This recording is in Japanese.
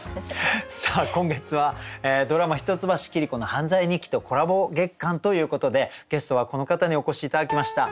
今月はドラマ「一橋桐子の犯罪日記」とコラボ月間ということでゲストはこの方にお越し頂きました。